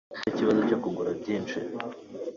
Nicyo kibazo cyo kugura byinshi